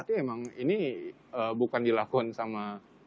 ini emang ini bukan dilakukan sama